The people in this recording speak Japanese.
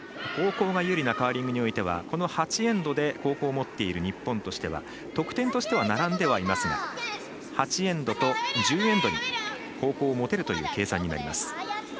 後攻が有利なカーリングにおいてはこの８エンドで後攻を持っている日本としては得点としては並んではいますが８エンドと１０エンドに後攻を持てるという計算になります。